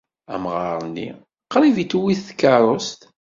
Amɣar-nni qrib i t-twit tkeṛṛust.